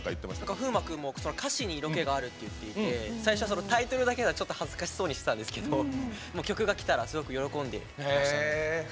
風磨君も歌詞に色気があるっていって最初はタイトルだけでは恥ずかしそうにしてたんですけど曲がきたらすごく喜んでましたね。